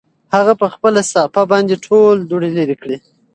هغه په خپله صافه باندې ټول دوړې لرې کړې.